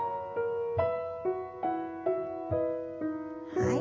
はい。